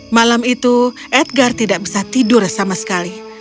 malam itu edgar tidak bisa tidur sama sekali